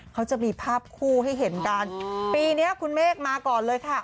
เขาจะมีภาพคู่ให้เห็นกันปีนี้คุณเมฆมาก่อนเลยค่ะ